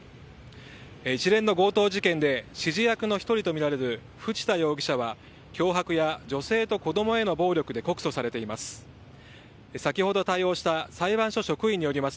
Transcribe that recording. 一連の強盗事件で指示役の１人とみられる藤田容疑者は脅迫や女性と子供への暴力で告訴されています。